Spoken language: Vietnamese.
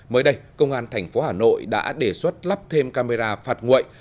mới đây công an tp hà nội đã đề xuất lắp thêm camera phạt nguội